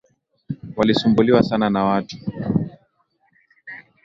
Walisumbuliwa sana na watu.